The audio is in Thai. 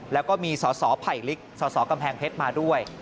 แล้วก็มีสศภัยฤษฐ์สศกำแพงเพชรมาด้วย